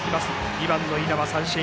２番の稲葉、三振。